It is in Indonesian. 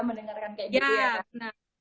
mendengarkan kayak gitu ya